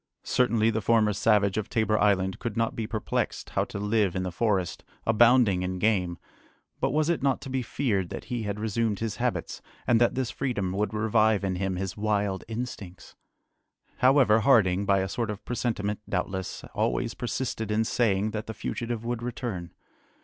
Certainly, the former savage of Tabor Island could not be perplexed how to live in the forest, abounding in game, but was it not to be feared that he had resumed his habits, and that this freedom would revive in him his wild instincts? However, Harding, by a sort of presentiment, doubtless, always persisted in saying that the fugitive would return.